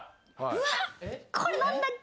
うわっこれ何だっけ？